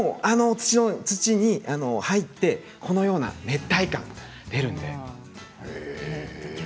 土の中に入ってこのような熱帯感が出ます。